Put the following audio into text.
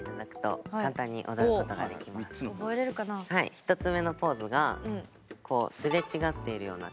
１つ目のポーズがこう擦れ違っているようなあ！